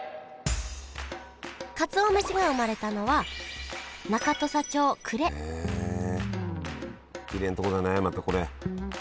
かつお飯が生まれたのは中土佐町久礼きれいなとこだねまたこれ。